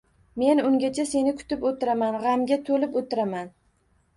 Men ungacha seni kutib oʻtiraman, gʻamga toʻlib oʻtiraman.